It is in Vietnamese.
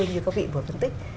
như các vị vừa phân tích